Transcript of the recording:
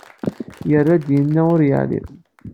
Yerra-d, yenna ur yeɛlim.